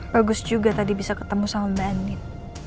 bagus juga tadi bisa ketemu sama mbak andi